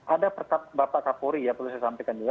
ada perkab bapak kapuri ya perlu saya sampaikan juga